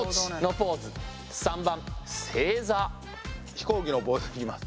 飛行機のポーズいきます。